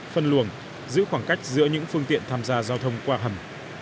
phân luồng giữ khoảng cách giữa những phương tiện tham gia giao thông qua hầm